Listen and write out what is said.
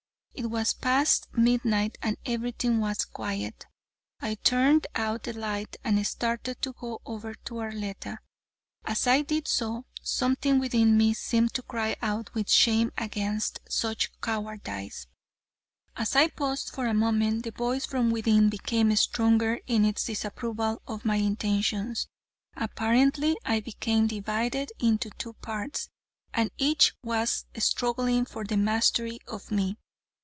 It was past midnight and everything was quiet. I turned out the light and started to go over to Arletta. As I did so, something within me seemed to cry out with shame against such cowardice. As I paused for a moment, the voice from within became stronger in its disapproval of my intentions. Apparently I became divided into two parts, and each was struggling for the mastery of me.